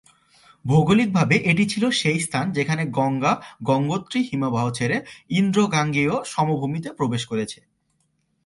ভৌগলিকভাবে এটা ঠিক সেই স্থান যেখানে গঙ্গা গঙ্গোত্রী হিমবাহ ছেড়ে ইন্দো-গাঙ্গেয় সমভূমিতে প্রবেশ করেছে।